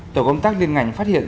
tổ công tác liên ngành phát hiện